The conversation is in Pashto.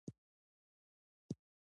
او ډوپامين اخراج هم کم شي -